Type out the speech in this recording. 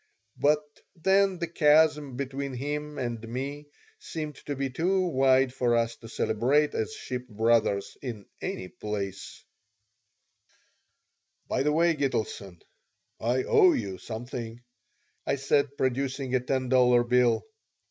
But then the chasm between him and me seemed to be too wide for us to celebrate as ship brothers in any place "By the way, Gitelson, I owe you something," I said, producing a ten dollar bill.